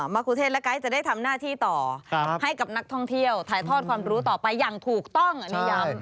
ครูเทศและไกด์จะได้ทำหน้าที่ต่อให้กับนักท่องเที่ยวถ่ายทอดความรู้ต่อไปอย่างถูกต้องอันนี้ย้ำ